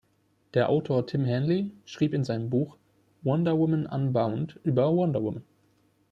Der Autor Tim Hanley schrieb in seinem Buch „Wonder Woman Unbound“ über Wonder Woman.